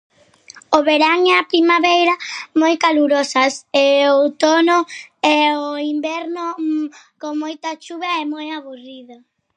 O verán e a primavera moi calurosas e o outono e o inverno con moita chuva e moi aburrido.